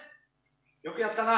よくやったな！